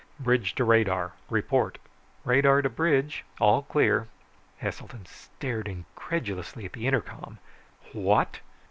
"Bridge to radar! Report." "Radar to bridge. All clear." Heselton stared incredulously at the intercom. "What?"